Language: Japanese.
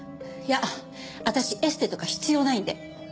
いや私エステとか必要ないんで。